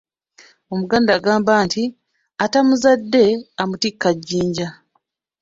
Omuganda agamba nti "Atamuzadde amutikka jjinja".